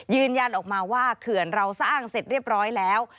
ยืนยันออกมาว่าเขื่อนเราสร้างเสร็จเรียบร้อยแล้ว